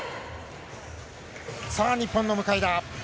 さあ、日本の向田。